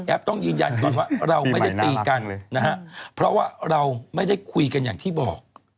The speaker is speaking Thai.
ต้องยืนยันก่อนว่าเราไม่ได้ตีกันนะฮะเพราะว่าเราไม่ได้คุยกันอย่างที่บอก